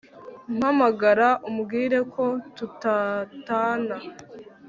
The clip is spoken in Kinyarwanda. Mpamagara umbwire ko tutatana